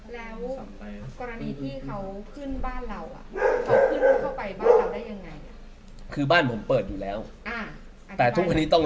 แล้วกรณีที่เขาขึ้นบ้านเราอ่ะ